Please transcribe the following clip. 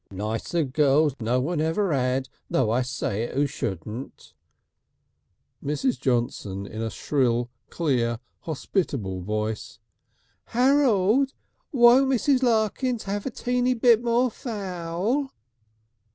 "Nicer girls no one ever 'ad though I say it who shouldn't." Mrs. Johnson in a shrill clear hospitable voice: "Harold, won't Mrs. Larkins 'ave a teeny bit more fowl?"